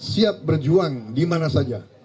siap berjuang dimana saja